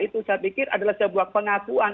itu saya pikir adalah sebuah pengakuan